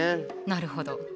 なるほど。